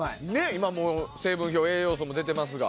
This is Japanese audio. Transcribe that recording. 今も成分表、栄養素が出ていますが。